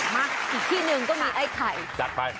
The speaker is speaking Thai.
มาอีกทีหนึ่งก็มีไอ้ไข่